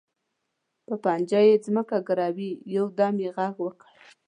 په پنجه یې ځمکه ګروي، یو دم یې غږ وکړ.